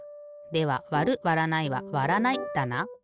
ではわるわらないはわらないだな。